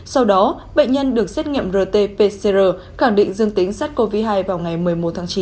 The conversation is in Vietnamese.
sau đó bệnh nhân được xét nghiệm rt pcr khẳng định dương tính sars cov hai vào ngày một mươi một tháng chín